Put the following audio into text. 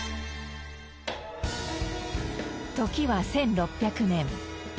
時は１６００年。